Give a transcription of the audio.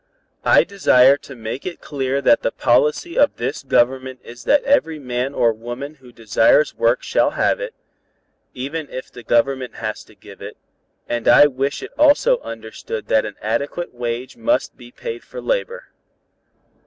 I desire to make it clear that the policy of this Government is that every man or woman who desires work shall have it, even if the Government has to give it, and I wish it also understood that an adequate wage must be paid for labor.